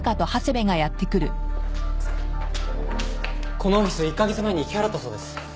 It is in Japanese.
このオフィス１カ月前に引き払ったそうです。